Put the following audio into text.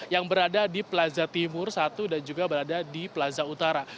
yang berada di plaza timur satu dan juga berada di plaza utara